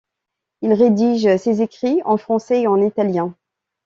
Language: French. Il rédige ses écrits en français et en italien.